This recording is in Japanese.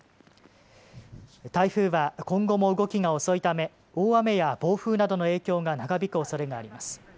台風は今後も動きが遅いため大雨や暴風などの影響が長引くおそれがあります。